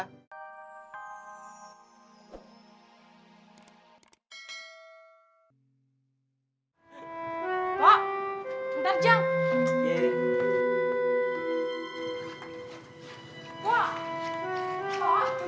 buatanmu gak kemahir mata lo